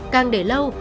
càng để lâu